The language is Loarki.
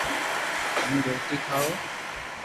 ھون روٽي کاو